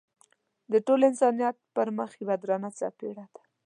د ټول انسانیت پر مخ یوه درنه څپېړه ده.